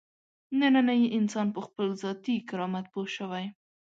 نننی انسان په خپل ذاتي کرامت پوه شوی.